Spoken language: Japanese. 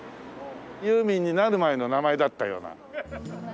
ユーミンになる前の名前だったような。